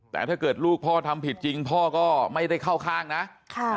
แต่ถ้าเกิดลูกพ่อทำผิดจริงพ่อก็ไม่ได้เข้าข้างนะค่ะ